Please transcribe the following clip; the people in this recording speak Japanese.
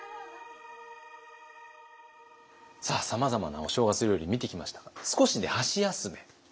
さあさまざまなお正月料理見てきましたが少しね箸休め。